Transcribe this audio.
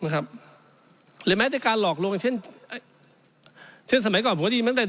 หรือแม้แต่การหลอกลวงเช่นเช่นสมัยก่อนผมก็ได้ยินตั้งแต่